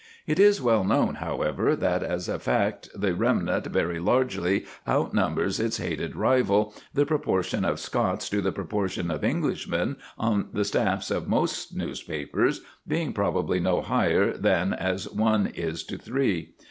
It is well known, however, that, as a fact, the remnant very largely outnumbers its hated rival, the proportion of Scots to the proportion of Englishmen on the staffs of most newspapers being probably no higher than as one is to three.